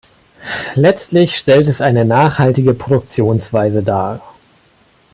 Letztlich stellt es eine nachhaltige Produktionsweise dar.